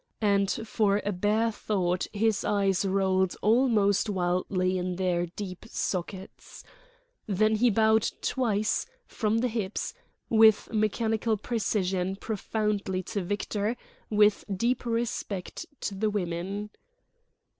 And for a bare thought his eyes rolled almost wildly in their deep sockets. Then he bowed twice, from the hips, with mechanical precision, profoundly to Victor, with deep respect to the women.